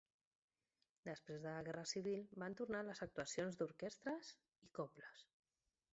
Després de la Guerra Civil van tornar les actuacions d’orquestres i cobles.